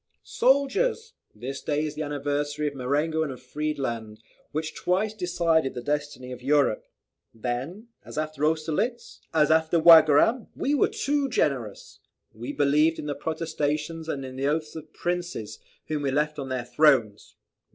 "Soldiers! this day is the anniversary of Marengo and of Friedland, which twice decided the destiny of Europe. Then, as after Austerlitz, as after Wagram, we were too generous! We believed in the protestations and in the oaths of princes, whom we left on their thrones.